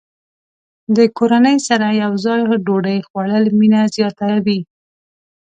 د کورنۍ سره یوځای ډوډۍ خوړل مینه زیاته وي.